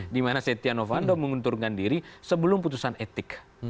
dimana setia novanto mengundurkan diri sebelum putusan etik